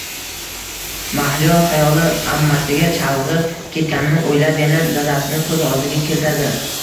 Mahliyo xayoli ammasiga chalg`ib ketganini o`ylab, yana dadasini ko`z oldiga keltirdi